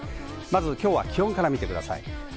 今日は気温から見てください。